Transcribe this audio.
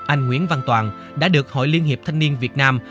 anh nguyễn văn toàn đã được hội liên hiệp thanh niên việt nam